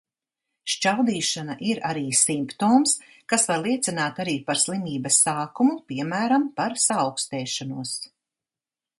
Šķaudīšana ir arī simptoms, kas var liecināt arī par slimības sākumu, piemēram, par saaukstēšanos.